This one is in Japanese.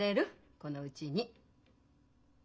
このうちに。